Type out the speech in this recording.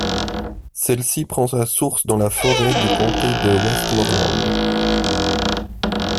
Celle-ci prend sa source dans la forêt du comté de Westmorland.